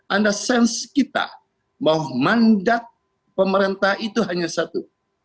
ada sense kita bahwa mandat pemerintah itu hanya satu